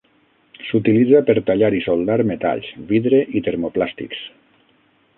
S'utilitza per tallar i soldar metalls, vidre i termoplàstics.